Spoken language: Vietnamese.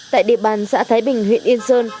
tại địa bàn xã thái bình huyện yên sơn